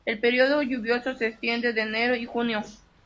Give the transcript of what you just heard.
El período lluvioso se extiende de enero y junio.